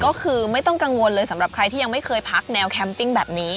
ก็คือไม่ต้องกังวลเลยสำหรับใครที่ยังไม่เคยพักแนวแคมปิ้งแบบนี้